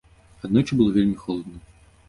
Аднойчы было вельмі холадна.